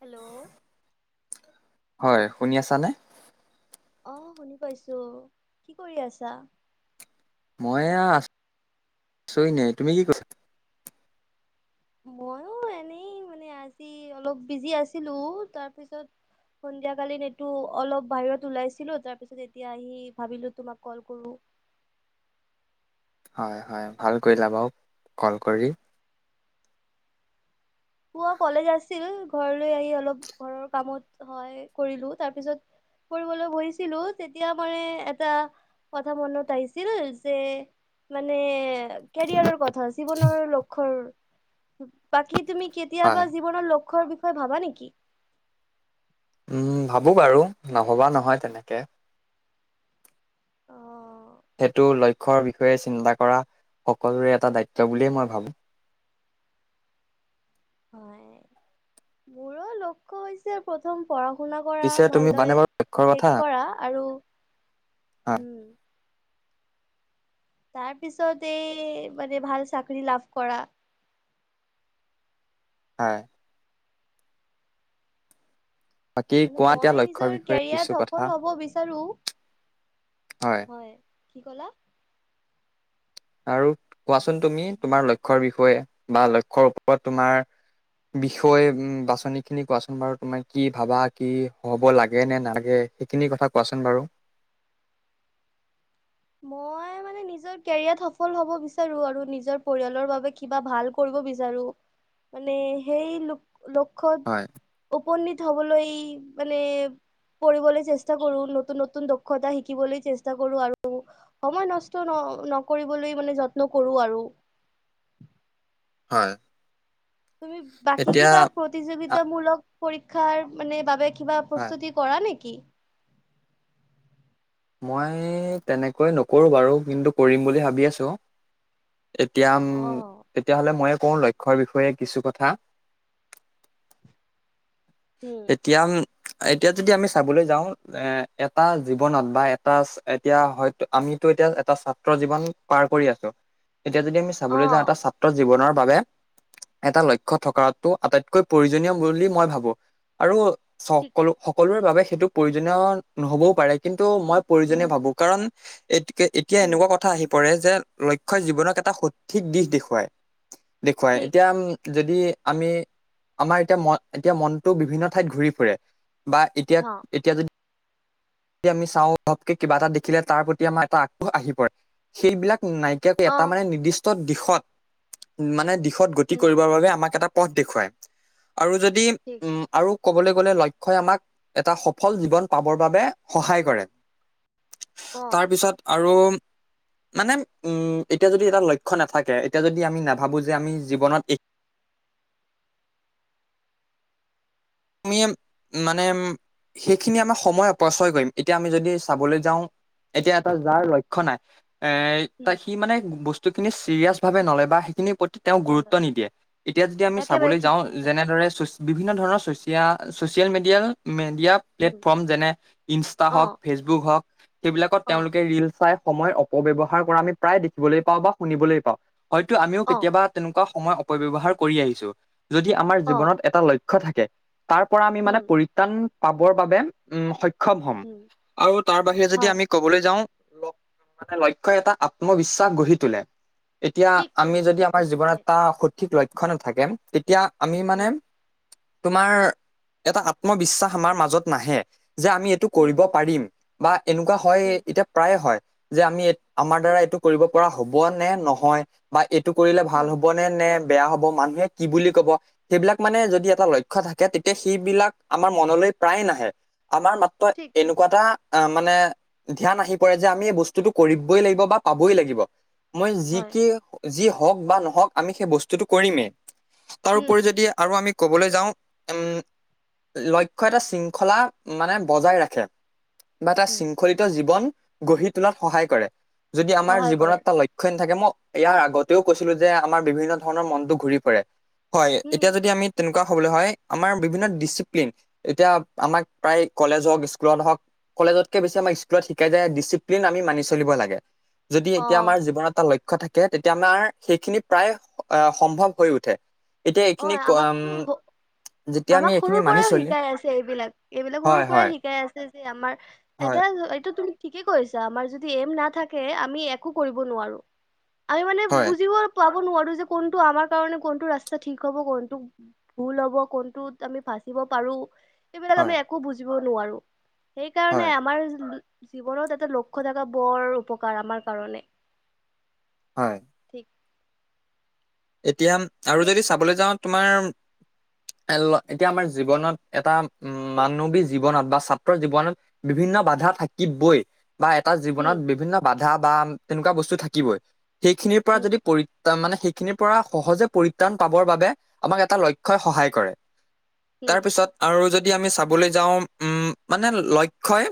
Hello হয় শুনি আছানে আহ শুনি পাইছো কি কৰি আছা মই আছো আছৰি ন তুমি কি কৈছা মইয়ো এনেই মানে আজি অলপ বিজি আছিলো তাৰপিছত সন্ধিয়া কালিন এইটো অলপ বাহিৰত ওলাইছিলো তাৰ পিছত এতিয়া আহি ভাবিলো তোমাক কল কৰো [inaudible] হয় হয় ভাল কৰি লাব কল কৰি পোৱা কলেজ আছিল। ঘৰলৈ আহি অলপ ঘৰৰ কামত হয় কৰিলো তাৰপিছত কৰিবলৈ বহিছিলো তেতিয়া মানে এটা কথা মনত আহিছিল যে মানে কেৰিয়াৰৰ কথা জীৱনৰ লক্ষ বাকী তুমি কেতিয়াবা হয়, জীৱনৰ লক্ষ্যৰ বিষয়ে ভাবা নেকি? উম ভাবো বাৰু নভবা নহয় তেনেকে। অ! সেইটো লক্ষ্যৰ বিষয়ে চিন্তা কৰা সকলোৰে এটা দায়িত্ব বুলিয়েই মই ভাবোঁ। হয় মোৰো লক্ষ্য হৈছে প্ৰথম পঢ়া শুনা কৰা পিছে তুমি জানে ভালদৰে বাৰু লক্ষ্যৰ কথা? শেষ কৰা আৰু হয়, উম! তাৰ পিছত এই মানে ভাল চাকৰি লাভ কৰা। হয়! বাকী মানে কোৱা মই এতিয়া লক্ষ্যৰ নিজৰ বিষয়ে কিছু কেৰিয়াৰ কথা। সফল হব বিচাৰো। হয় কি কলা? আৰু কোৱাচোন তুমি তোমাৰ লক্ষ্যৰ বিষয়ে বা লক্ষ্যৰ ওপৰত তোমাৰ বিষয় উ বাছনি খিনি কোৱাচোন বাৰু তোমাৰ কি ভাবা কি হ'ব লাগে নে নালাগে? সেইখিনি কথা কোৱাচোন বাৰু। মই মানে নিজৰ কেৰিয়াৰত সফল হব বিচাৰোঁ। আৰু নিজৰ পৰিয়ালৰ বাবে কিবা ভাল কৰিব বিচাৰো মানে সেই হয়। লক্ষত উপনীত হবলৈ মানে কৰিবঢ়লৈ চেষ্টা কৰো নতুন নতুন দক্ষতা শিকিবলৈ চেষ্টা কৰো আৰু সময় নষ্ট ন নকৰিবলৈ মানে যত্ন কৰো আৰু। [inaudible] হয়। তুমি বাকী এতিয়া কিবা আ- প্ৰতিযোগিতামূলক পৰীক্ষাৰ মানে বাবে কিবা হয় প্ৰস্তুতি কৰা নেকি? মই তেনেকৈ নকৰোঁ বাৰু কিন্তু কৰিম বুলি ভাবি আছো। এতিয়া অ তেতিয়াহলে মই কোনো লক্ষ্যৰ বিষয়ে কিছু কথা উম এতিয়া এতিয়া যদি আমি চাবলৈ যাওঁ এ এটা জীৱনত বা এটা এতিয়া হয়তো আমিতো এতিয়া এটা ছাত্ৰ জীৱন পাৰ কৰি আছো এতিয়া যদি আমি চাবলৈ যাওঁ এটা ছাত্ৰৰ জীৱনৰ বাবে এটা লক্ষ্য থকাটো আটাইতকৈ প্ৰয়োজনীয় বুলি মই ভাবো। আৰু ঠিক সকলো সকলোৰে বাবে সেইটো প্ৰয়োজনীয় নহ'বও পাৰে কিন্তু মই প্ৰয়োজনীয় ভাবো। কাৰণ এ এতিয়া উম এনেকুৱা কথা আহি পৰে যে লক্ষ্যই জীৱনক এটা সঠিক দিশ দেখুৱায়। দেখুৱাই ঠিক এতিয়া যদি আমি আমাৰ এতিয়া ম এতিয়া মন টো বিভিন্ন ঠাইত ঘুৰি ফুৰে বা এতিয়া অ এতিয়া যদি [inaudible] আমি চাও ঘপককে কিবা এটা দেখিলে তাৰ প্ৰতি আমাৰ এটা আগ্ৰহ আহি পৰে। সেইবিলাক নাইকিয়াকৈ এটা মানে নিৰ্দিষ্ট দিশত মানে দিশত গতি উম কৰিবৰ বাবে আমাক এটা পথ দেখুৱায় আৰু যদি ঠিক উম আৰু ক'বলৈ গ'লে লক্ষ্যই আমাক এটা সফল জীৱন পাবৰ বাবে সহায় কৰে। [inaudible] তাৰ উম পিছত আৰু [inaudible] মানে উম এতিয়া যদি এটা লক্ষ্য নাথাকে এতিয়া যদি আমি নাভাবো যে আমি জীৱনত [inaudible] মিয়াম [unintelligible] মানেম সেইখিনি আমাৰ সময় অপচয় কৰিম এতিয়া আমি যদি চাবলৈ যাওঁ [unintelligible] এতিয়া এটা যাৰ লক্ষ্য নাই এ তাক সি মানে বস্তুখিনি চিৰিয়াছ ভাৱে নললে বা সেইখিনি তেওঁক গুৰুত্ব নলয় নিদিয়ে এতিয়া যদি আমি একেবাৰে চাবলৈ ঠিক যাওঁ কৈছা যেনেদৰে বিভিন্ন ধৰণৰ শ এতিয়া social media media um platform যেনে ইনষ্টা অ হওক ফেচবুক হওক সেইবিলাকত অ তেওঁলোকে ৰিল চাই সময় অপব্যৱহাৰ কৰা আমি প্ৰায় দেখিবলৈ পাওঁ বা শুনিবলৈ পাওঁ হয়তো আমিও অ কেতিয়াবা তেনেকুৱা সময় অপব্যৱহাৰ কৰি আহিছো যদি আমাৰ অ জীৱনত এটা লক্ষ থাকে তাৰ পৰা আমি মানে উম পৰিত্ৰাণ পাবৰ বাবে উম সক্ষম হম উম আৰু তাৰ বাহিৰে যদি হয় আমি কবলৈ যাওঁ মানে লক্ষ্যই এটা আত্মবিশ্বাস গঢ়ি তোলে এতিয়া ঠিক আমি কৈছা যদি ঠিক আমাৰ কৈছা দেই জীৱনত এটা সঠিক লক্ষ্য নাথাকে এতিয়া আমি মানে উম তোমাৰ এটা আত্মবিশ্বাস আমাৰ মাজত নাহে যে আমি এইটো উম কৰিব পাৰিম বা এনেকুৱা হয় উম, এতিয়া প্ৰায়ে হয় যে আমি আমাৰ দ্বাৰা এইটো কৰিব পৰা হব নে নহয় বা কৰিলে ভাল হয়, হ'ব নে নে বেয়া হ'ব মানুহে কি বুলি কব সেইবিলাক মানে যদি এটা লক্ষ্য থাকে তে এতিয়া সেই বিলাক আমাৰ মনলৈ প্ৰায় নাহে আমাৰ মাত্ৰ ঠিক ঠিক এনেকুৱা এটা আহ মানে ধ্যান আহি পৰে যে আমি এই বস্তুটো কৰিবই লাগিব বা পাবই লাগিব মই যি হয়, কি যি হওঁক বা নহওক আমি সেই বস্তুটো কৰিমেই উম, তাৰপৰি যদি আৰু আমি কবলৈ যাওঁ উম লক্ষ্য এটা শৃংখলা মানে বজাই ৰাখে বা এটা উম, শৃংখলিত জীৱন গঢ়ি তোলাত সহায় কৰে। যদি আমাৰ সহায় কৰে, জীৱনত এটা লক্ষ্য থাকে মই ইয়াৰ আগতেও কৈছিলো যে আমাৰ বিভিন্ন ধৰণৰ মনতটো ঘূৰি পৰে হয় উম, এতিয়া যদি আমি তেনেক হবলৈ হয় আমাৰ বিভিন্ন ডিচিপ্লিন এতিয়া আমাক প্ৰায় কলেজ হওক স্কুলত হওক [unintelligible] কলেজতকে বেছি আম স্কুলত শিকাই যায় ডিচিপ্লিন আমি মানি চলিব লাগে [unintelligible] যদি এতিয়া আমাৰ অ', জীৱনৰ এটা লক্ষ্য ল থাকে তেতিয়া আমাৰ সেইখিনি প্ৰায় সম্ভৱ হৈ উঠে এতিয়া এইখিনি অ', আমাকতো স- উম আমি আমাক এইখিনি সৰুৰ মানি পৰাইও চলিম শিকাই আছে এইবিলাক এইবিলাক সৰুৰ হয় পৰাই হয় শিকাই আছে যে আমাৰ হয় এটা এইটো তুমি ঠিকে কৈছা আমাৰ যদি এম নাথাকে আমি একো কৰিব নোৱাৰো আমি মানে হয় বুজিব পাব নোৱাৰো যে কোনটো আমাৰ কাৰণে কোনটো ৰাস্তা ঠিক হ'ব কোনটোোক ভুল হ'ব কোনটোত আমি ভাচিব পাৰো এইবিলাক হয় আমি একো বুজি সেইকাৰণে হয় আমাৰ [unintelligible] জীৱনত এটা লক্ষ্য থকা বৰ উপকাৰ আমাৰ কাৰণে হয় ঠিক এতিয়া আৰু যদি চাবলৈ যাওঁ তোমাৰ এ এতিয়া আমাৰ জীৱনত এটা উ মানৱী জীৱনত বা ছাত্ৰৰ জীৱনত বিভিন্ন বিভিন্ন বাধা থাকিবই বা এটা হুম, জীৱনত বিভিন্ন বাধা বা তেনেকুৱা বস্তু থাকিবই সেইখিনিৰ পৰা হুম, যদি পৰিত মানে খিনিৰ পৰা সহজে পৰিত্ৰাণ পাবৰ বাবে আমাক এটা লক্ষ্যয় সহায় কৰে হুম, তাৰপিছত আৰু যদি আমি চাবলৈ যাওঁ উম মানে লক্ষ্যই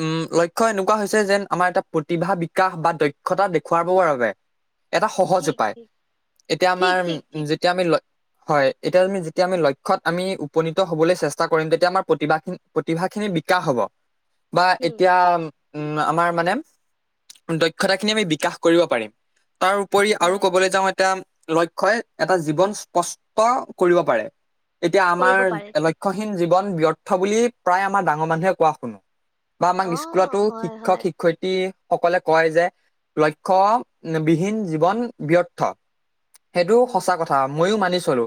উম লক্ষ্য এনেকুৱা হৈছে যেন আমাৰ এটা প্ৰতিভা বিকাশ বা দক্ষতা দেখুৱাবৰ বাবে এটা সহজ ঠিক, উপায় ঠিক, এতিয়া ঠিক, আমাৰ ঠিক, ঠিক, যেতিয়া আমি ল হয় এতিয়া আমি যেতিয়া আমি লক্ষ্যত আমি উপনীত হ'বলৈ চেষ্টা কৰিম তেতিয়া আমাৰ প্ৰতিভািন প্ৰতিভাখিনি [unintelligible] বিকাশ হ'ব বা হুম, এতিয়া উম আমাৰ মানে দক্ষতাখিনি আমি বিকাশ কৰিব পাৰিম তাৰ উপৰি আৰু হয়, ক'বলৈ যাওঁ এতিয়া লক্ষ্যই এটা জীৱন স্পষ্ট কৰিব পাৰে এতিয়া আমাৰ কৰিব পাৰে ঠিক। লক্ষ্যহীন জীৱন ব্যৰ্থ বুলি প্ৰায় আমাৰ ডাঙৰ মানুহে কোৱা শুনো। বা আমাক স্কুলতো অ', হয়, শিক্ষক হয়, শিক্ষয়িত্ৰী- সকলে কয় যে লক্ষ্যবিহীন জীৱন ব্যৰ্থ সেইটো হুম, সঁচা কথা। ময়ো মানি চলো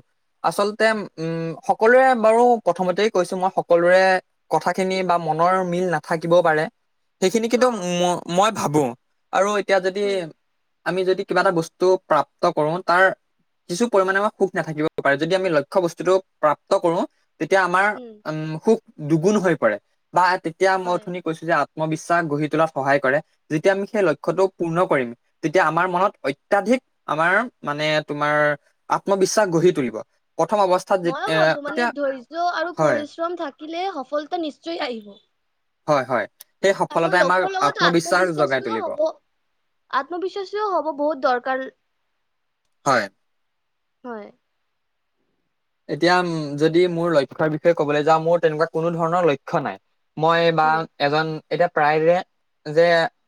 আচলতে উম সকলোৰে বাৰু প্ৰথমতে কৈছো মই সকলোৰে। কথাখিনি বা মনৰ মিল নাথাকিবও পাৰে। সেইখিনি কিন্তু অ', ম মই ভাবো আৰু এতিয়া যদি হুম, আমি যদি কিবা এটা বস্তু টো প্ৰাপ্ত কৰো তাৰ কিছু পৰিমাণে আমাৰ সুখ নাথাকিব পাৰে যদি আমি লক্ষ্য বস্তুটো প্ৰাপ্ত কৰো তেতিয়া আমাৰ হুম, উম সুখ দুগুণ হৈ পৰে বা তেতিয়া মই হয়। শুনি কৈছো যে আত্মবিশ্বাস গঢ়ি তোলাত সহায় কৰে যেতিয়া আমি সেই লক্ষ্যটো পূৰ্ণ কৰিম তেতিয়া আমাৰ মনত অত্যাধিক আমাৰ মানে তোমাৰ আত্মবিশ্বাস গঢ়ি তুলিব প্ৰথম অৱস্থাত যে ময়ো এ ভাবো মানে এতিয়া ধৈৰ্য আৰু হয় পৰিশ্ৰম থাকিলে সফলতা নিশ্চয় আহিব হয় হয় সেই আৰু সফলতাই আমাক লক্ষ্যৰ লগত আত্মবিশ্বাস জগাই আত্মবিশ্বাসীও তুলিব হ'ব আত্মবিশ্বাসীও হ'ব বহুত দৰকাৰ হয় হয় এতিয়া উ যদি মোৰ লক্ষ্যৰ বিষয়ে কবলৈ যাওঁ মোৰ তেনেকুৱা কোনো ধৰণৰ লক্ষ্য নাই মই বা হুম, এজন এতিয়া প্ৰায় যে যে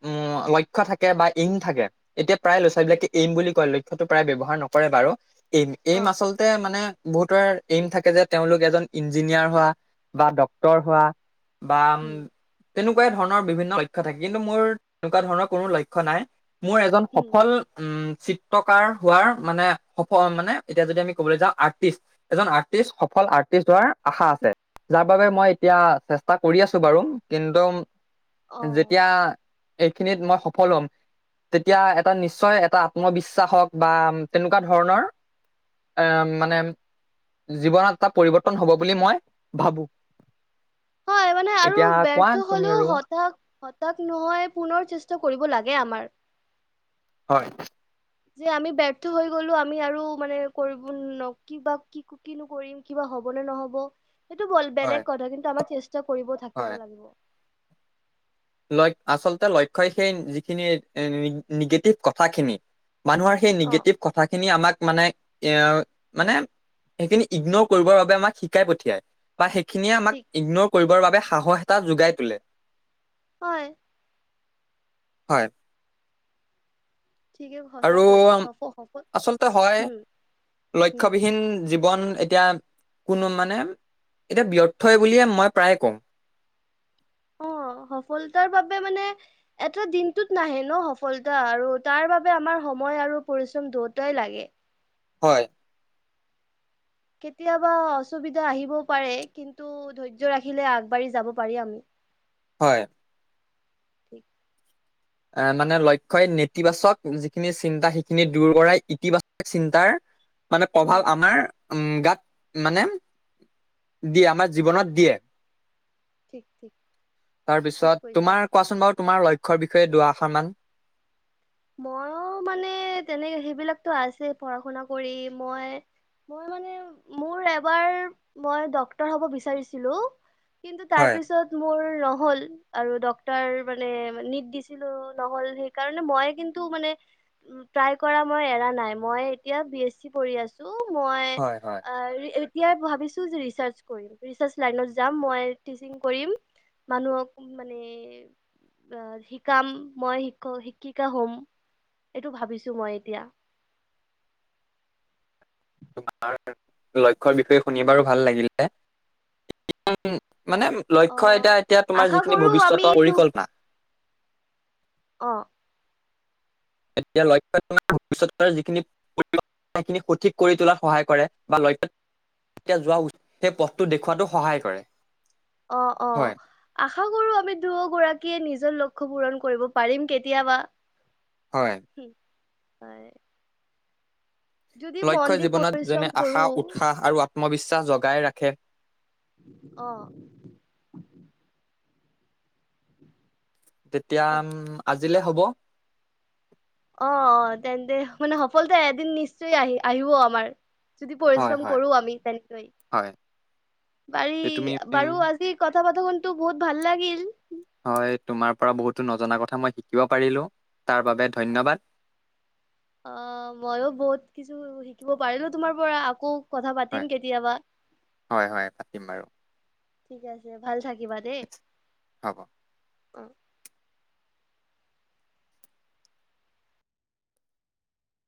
উম লক্ষ্য থাকে বা ইন থাকে এতিয়া প্ৰায় ল'ৰাোৱাল হুম, বিলাকে এইম বুলি কয় লক্ষ্য়তটো প্ৰায় ব্যৱহাৰ নকৰে বাৰু এইম এইম অ', আচলতে মানে বহুতৰ এইম থাকে যে তেওঁলোক এজন ইঞ্জিনিয়াৰ হোৱা বা ড্ক্তৰ হোৱা বা উম হুম, তেনেকুৱাই ধৰণৰ বিভিন্ন লক্ষ্য থাকে কিন্তু মোৰ তেনেকুৱা ধৰণৰ কোনো লক্ষ্য নাই মোৰ এজন হুম, সফল উম চিত্ৰকাৰ হোৱাৰ মানে সফল মানে এতিয়া যদি আমি ক'বলৈ যাওঁ আৰ্টিষ্ট এজন আৰ্টিষ্ট সফল আৰ্টিষ্ট হোৱাৰ আশা আছে যাৰ বাবে মই এতিয়া চেষ্টা কৰি আছো বাৰু কিন্তু অ', যেতিয়া। এইখিনিত মই সফল হ'ম। তেতিয়া এটা নিশ্চয় এটা আত্মবিশ্বাস হওক বা তেনেকুৱা ধৰণৰ- আহ মানে। জীৱনত এটা পৰিৱৰ্তন হব বুলি মই ভাবো। হয়। মানে আৰু এতিয়া কোৱা বৰ্থ তুমি হলেও আৰু হঠা হতাশ নহয় পুনৰ চেষ্টা কৰিব লাগে আমাৰ হয়। যে আমি বৰ্থ হৈ গলো আমি আৰু মানে কৰিব ন কিবা কি কিনো কৰিম কিবা। হ'ব নে নহ'ব সেইটো হয় বেলেগ কথা কিন্তু আমাৰ চেষ্টা কৰিব থাকিব লাগিব ল আচলতে লক্ষ্যই সেই যিখিনি নিগেটিভ কথাখিনি মানুহৰ সেই অ নিগেটিভ কথাখিনি আমাক- মানে এ মানে সেইখিনি ইগনৰ কৰিবৰ বাবে আমাক শিকাই পঠিয়াই বা সেইখিনিয়ে আমাক ঠিক ইগনৰ কৰিবৰ বাবে সাহস এটা যোগাই তোলে- হয় হয়। ঠিকে আৰু সঁচাকৈ সফ সফল আচলতে হয় উম উম লক্ষ্যবিহীন জীৱন- এতিয়া কোনো মানে এতিয়া ব্যৰ্থই বুলিয়ে মই প্ৰায়ে কওঁ অ সফলতাৰ বাবে মানে এটা দিনটোত নাহে ন সফলতা আৰু তাৰ বাবে আমাৰ। সময় আৰু পৰিশ্ৰম দুয়তই লাগে হয় কেতিয়াবা অসুবিধা আহিবও পাৰে কিন্তু ধৈৰ্য্য ৰাখিলে আগবাঢ়ি যাব পাৰি আমি হয় ঠিক এ মানে লক্ষ্যই নেতিবাচক যিখিনি চিন্তা সেইখিনি দূৰ কৰাই ইতিবাচক চিন্তাৰ মানে উম প্ৰভাৱ আমাৰ উম গাত মানে দিয়ে আমাৰ জীৱনত দিয়ে ঠিক ঠিক ঠিক তাৰপিছত কৈছা তোমাৰ কোৱাচোন বাৰু তোমাৰ লক্ষ্যৰ বিষয়ে দুৱাআষাৰ মান মইো মানে তেনেক সেইবিলাকতো আছে পঢ়া শুনা কৰি মই- ম মানে মোৰ এবাৰ মই ডক্টৰ হব বিচাৰিছো। কিন্তু তাৰ হয় পিছত মোৰ- নহ আৰু ডটৰ মানে নিট দিছিলো নহল সেইকাৰণে মই ম ন মই এতিয়া বি আছো ত মই হয় হয় অ এতিয়া ভাবিছো ৰিচাৰ্ছ কৰিম ৰিচাৰ্ছ লাইনত জাম মই টিচিং কৰিম। মানুহক মানে অ শিকাম মই শিক শিকি - শ হ'ম এইটো ভাবিছো মই এতিয়া। তোমাৰ লক্ষ্যৰ বিষয়ে শুনি বাৰো ভাল লাগিলে। মানে লক্ষ্যয় অ'। এতিয়া এতিয়া তোমাৰ আশা যিখিনি কৰো আমি ভৱিষ্যতৰ দু পৰিকল্পনা। অ এতিয়া লক্ষ্যই তোমাৰ ভষ্যতৰ যিখিনি - সেই খিনি সঠিক কৰি তোলাত সহায় কৰে বা লক্ষ্যত এতিয়া যোৱাচ সেই পথটো দেখওুৱাতটো সহায় কৰে। অ অ হয় আশা কৰো আমি দু গৰাকীয়ে নিজৰ লক্ষ্য পূৰণ কৰিব পাৰিম কেতিয়াবা। হয় হয় যদি মন লক্ষ্যয় দি জীৱনত যেনে পৰিশ্ৰম কৰো আশা উৎসাহ আৰু আত্মবিশ্বাস জগাই ৰাখে। অহ তেতিয়া ঠিক আজিলে হব অ অ তেন্তে মানে সফলতা এদিন নিশ্চয় আহি আহিব আমাৰ যদি হয় পৰিশ্ৰম হয় কৰো আমি হয় তেনেক বাৰী তে তুমি বাৰু আজি ক কথা পাতি কিন্তু বহুত ভাল লাগিল হয় তোমাৰ পৰা বহুতো নজনা কথা মই শিকিব পাৰিলো। তাৰ বাবে অ ধন্যবাদ অ মইও বহুত কিছু শো থাকিব পাৰিলো তোমাৰ পৰা আকৌ কথা পাতিম হয় কেতিয়াবা হয় হয় পাতিম বাৰু ঠিক আছে ভাল থাকিবা দেই হ'ব অ